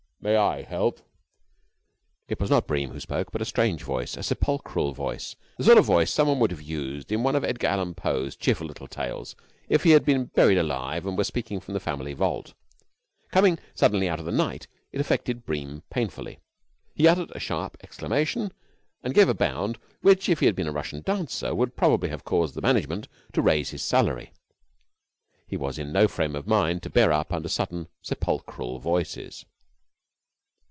"May I help?" It was not Bream who spoke but a strange voice a sepulchral voice, the sort of voice someone would have used in one of Edgar Allen Poe's cheerful little tales if he had been buried alive and were speaking from the family vault. Coming suddenly out of the night it affected Bream painfully. He uttered a sharp exclamation and gave a bound which, if he had been a Russian dancer, would probably have caused the management to raise his salary. He was in no frame of mind to bear up under sudden sepulchral voices.